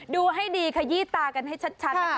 ดูให้ดีขยี้ตากันให้ชัดนะคะ